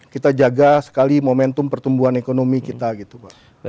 kita jaga sekali momentum pertumbuhan ekonomi kita gitu pak